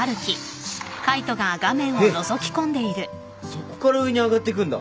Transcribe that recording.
そこから上に上がってくんだ。